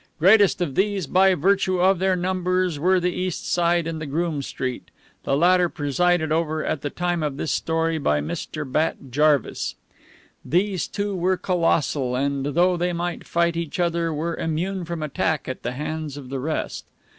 Greatest of these, by virtue of their numbers, were the East Side and the Groome Street, the latter presided over at the time of this story by Mr. Bat Jarvis. These two were colossal, and, though they might fight each other, were immune from attack at the hands of the rest.